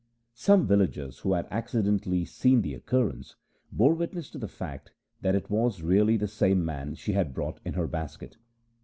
Some villagers who had accidentally seen the occurrence, bore witness to the fact that it was really the same man she had brought in her basket.